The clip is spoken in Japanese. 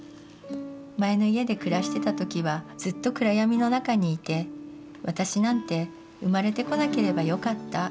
前の家で暮らしてた時はずっと暗闇の中にいて『私なんて生まれてこなければよかった』